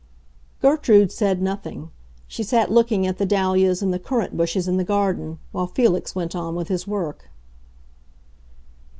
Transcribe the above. Gertrude said nothing; she sat looking at the dahlias and the currant bushes in the garden, while Felix went on with his work.